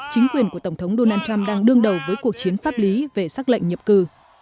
chính quyền của tổng thống donald trump đang đương đầu với cuộc chiến pháp lý về xác lệnh nhập cư